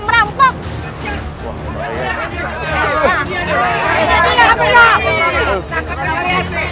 masa prajurit pajajara merambok